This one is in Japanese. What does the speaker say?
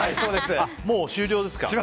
もう終了ですか。